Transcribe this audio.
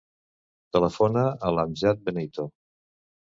Telefona a l'Amjad Beneito.